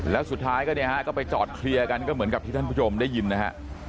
แล้วสุดท้ายก็เนี่ยฮะก็ไปจอดเคลียร์กันก็เหมือนกับที่ท่านผู้ชมได้ยินนะฮะ